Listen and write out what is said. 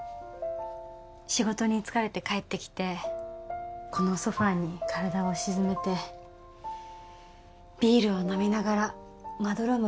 仕事に疲れて帰ってきてこのソファーに体を沈めてビールを飲みながらまどろむ